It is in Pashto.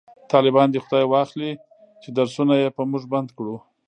طالبان دی خداي واخلﺉ چې درسونه یې په موژ بند کړو